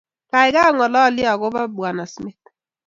Gaigai, ongalalye ago Bw.smith